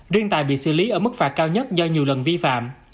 riêng tài bị xử lý ở mức phạt cao nhất do nhiều lần vi phạm